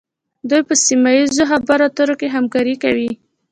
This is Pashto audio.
دوی په سیمه ایزو خبرو اترو کې همکاري کوي